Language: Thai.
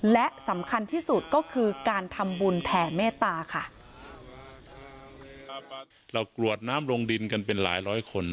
และสำคัญที่สุดก็คือการทำบุญแผ่เมตตาค่ะเรากรวดน้ำลงดินกันเป็นหลายร้อยคน